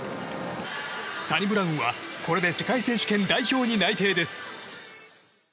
サニブラウンは、これで世界選手権代表に内定です。